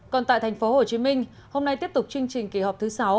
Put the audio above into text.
còn tại thành phố hồ chí minh hôm nay tiếp tục chương trình kỳ họp thứ sáu